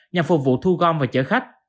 nhằm phục vụ thu gom và chở khách